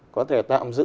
có thể tạm giữ